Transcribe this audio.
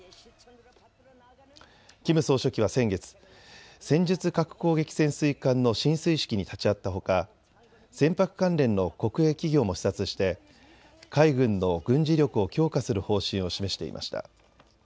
キム総書記は先月、戦術核攻撃潜水艦の進水式に立ち会ったほか、船舶関連の国営企業も視察して海軍の軍事力を強化する方針を示していました。